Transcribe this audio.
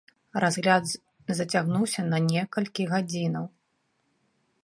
Разгляд зацягнуўся на некалькі гадзінаў.